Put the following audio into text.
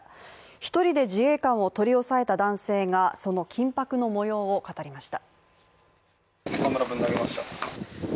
１人で自衛官を取り押さえた男性がその緊迫の模様を語りました。